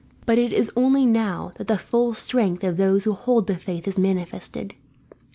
"But it is only now that the full strength of those who hold the faith is manifested.